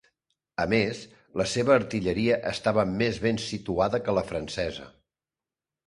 A més, la seva artilleria estava més ben situada que la francesa.